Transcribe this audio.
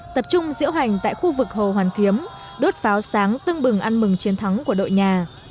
tập trung diễu hành tại khu vực hồ hoàn kiếm đốt pháo sáng tưng bừng ăn mừng chiến thắng của đội nhà